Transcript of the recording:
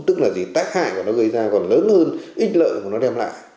tức là gì tác hại của nó gây ra còn lớn hơn ít lợi của nó đem lại